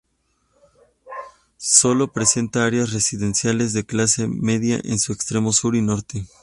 Sólo presenta áreas residenciales de clase media en sus extremos sur y norte.